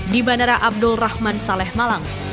di bandara abdul rahman saleh malang